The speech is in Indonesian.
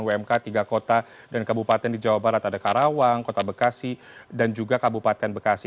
umk tiga kota dan kabupaten di jawa barat ada karawang kota bekasi dan juga kabupaten bekasi